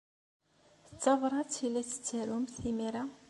D tabṛat ay la tettarumt imir-a?